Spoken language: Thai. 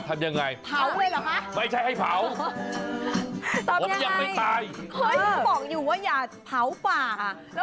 คุณชนะมาแล้ว